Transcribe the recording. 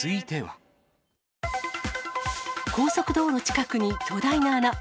高速道路近くに巨大な穴。